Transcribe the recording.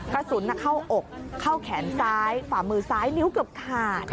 กระสุนเข้าอกเข้าแขนซ้ายฝ่ามือซ้ายนิ้วเกือบขาด